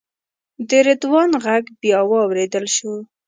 د رضوان غږ بیا واورېدل شو.